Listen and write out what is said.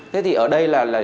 thế thì ở đây là